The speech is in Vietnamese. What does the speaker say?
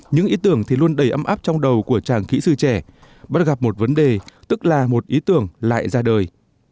những ý tưởng thì luôn đầy ấm áp trong đầu của chàng kỹ sư trẻ bắt gặp một vấn đề tức là một ý tưởng lại ra đời